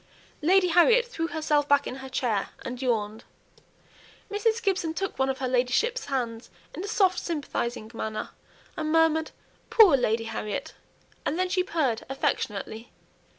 Lady Harriet threw herself back in her chair, and yawned; Mrs. Gibson took one of her ladyship's hands in a soft sympathizing manner, and murmured, "Poor Lady Harriet!" and then she purred affectionately.